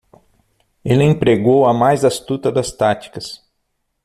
Ele empregou a mais astuta das táticas.